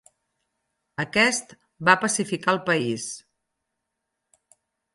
Aquest va pacificar el país.